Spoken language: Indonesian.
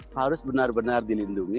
harus benar benar dilindungi